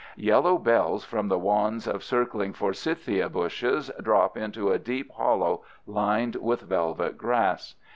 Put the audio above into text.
Yellow bells from the wands of circling forsythia bushes drop into a deep hollow lined with velvet grass.